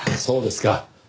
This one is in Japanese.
そうですか。